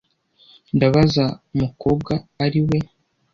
Ndabaza mukobwa ari we.